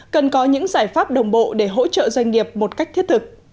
cần có những giải pháp đồng bộ để hỗ trợ doanh nghiệp một cách thiết thực